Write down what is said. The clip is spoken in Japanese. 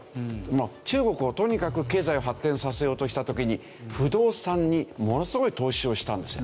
中国はとにかく経済を発展させようとした時に不動産にものすごい投資をしたんですよ。